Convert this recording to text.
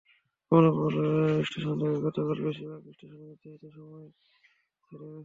Kamalapur station থেকে গতকাল বেশির ভাগ ট্রেনই নির্ধারিত সময়ে ছেড়ে গেছে।